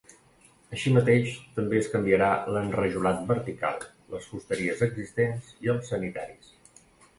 Així mateix, també es canviarà l’enrajolat vertical, les fusteries existents i els sanitaris.